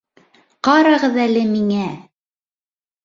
Ҡарағыҙ әле миңә!